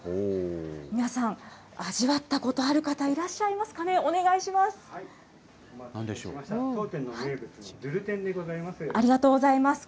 皆さん、味わったことある方いらっしゃいますかね、お願いします。